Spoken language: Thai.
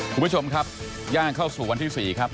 คุณผู้ชมครับย่างเข้าสู่วันที่๔ครับ